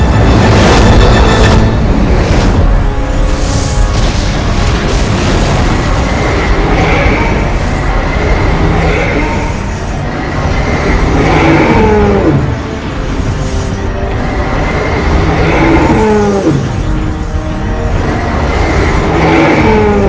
baiklah aku akan layani kau dengan baik